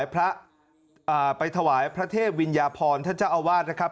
พระไปถวายพระเทพวิญญาพรท่านเจ้าอาวาสนะครับ